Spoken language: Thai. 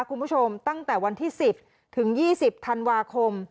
คุณผู้ชมตั้งแต่วันที่๑๐ถึง๒๐ธันวาคม